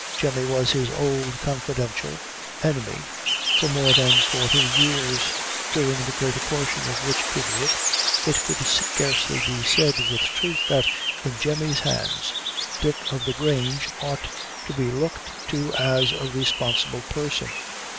Jemmy was his old, confidential enemy for more than forty years, during the greater portion of which period it could scarcely be said with truth that, in Jemmy's hands, Dick o' the Grange ought to be looked to as a responsible person.